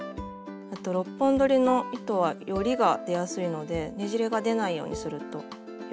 あと６本どりの糸はよりが出やすいのでねじれが出ないようにするとよりきれいです。